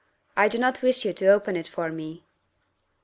I do not wish you to open it for me."